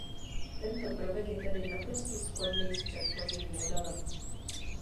Tento prvek je tedy naprosto shodný s předchozím modelem.